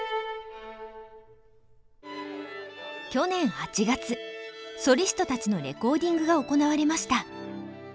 去年８月ソリストたちのレコーディングが行われました。